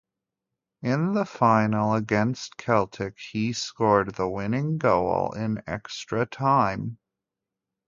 In the final against Celtic he scored the winning goal in extra time.